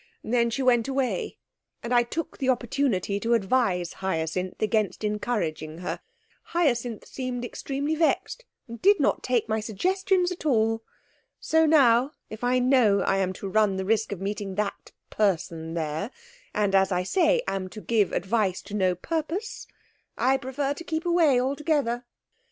Then she went away; and I took the opportunity to advise Hyacinth against encouraging her. Hyacinth seemed extremely vexed and did not take my suggestion at all well. So now, if I know I am to run the risk of meeting that person there and, as I say, am to give advice to no purpose, I prefer to keep away altogether.'